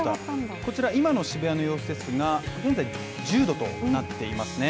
こちら今の渋谷の様子が現在１０度となっていますね。